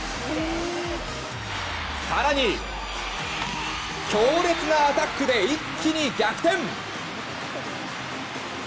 更に、強烈アタックで一気に逆転！